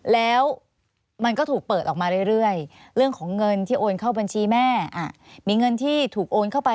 แล้วมันก็ถูกเปิดออกมาเรื่อยเรื่องของเงินที่โอนเข้าบัญชีแม่มีเงินที่ถูกโอนเข้าไป